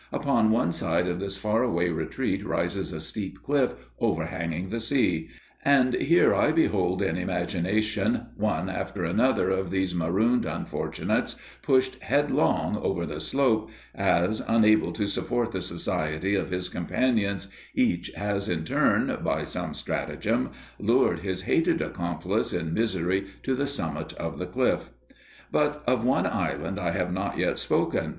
Upon one side of this far away retreat rises a steep cliff overhanging the sea, and here I behold in imagination one after another of these marooned unfortunates pushed headlong over the slope, as, unable to support the society of his companions, each has in turn, by some stratagem, lured his hated accomplice in misery to the summit of the bluff. But of one island I have not yet spoken.